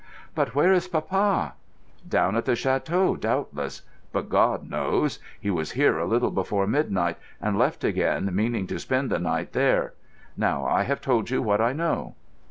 "But where is papa?" "Down at the château, doubtless. But God knows. He was here a little before midnight, and left again meaning to spend the night there. Now I have told you what I know."